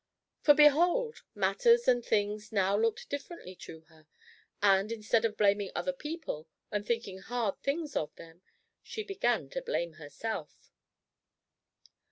For behold! matters and things now looked differently to her, and, instead of blaming other people and thinking hard things of them, she began to blame herself.